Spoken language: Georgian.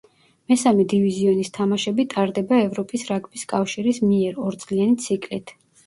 მესამე დივიზიონის თამაშები ტარდება ევროპის რაგბის კავშირის მიერ ორწლიანი ციკლით.